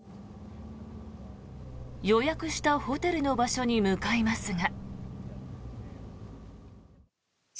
予約したホテルの場所に向かいますが。